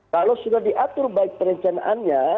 kalau sudah diatur baik perencanaannya